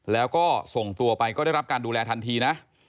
แล้วก็ส่งตัวไปก็ได้รับการดูแลทันทีนะ